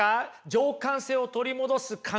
情感性を取り戻す感覚。